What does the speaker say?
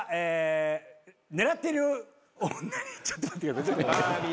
狙ってる女にちょっと待ってください。